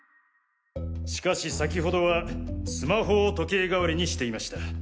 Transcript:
しかし先ほどはスマホを時計代わりにしていました。